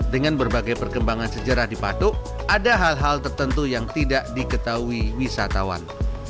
dengan berbagai perkembangan sejarah di patuk ada hal hal tertentu yang tidak diketahui wisatawan